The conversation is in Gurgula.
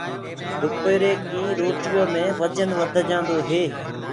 دُپيري ڪي روٽيو مي وجن وڌ جآندو هي۔